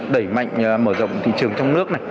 đẩy mạnh mở rộng thị trường trong nước